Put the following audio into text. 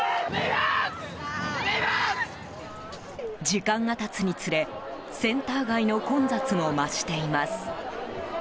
時間が経つにつれセンター街の混雑も増しています。